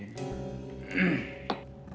aneh kamu tuh